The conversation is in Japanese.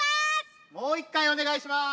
もう一回おねがいします。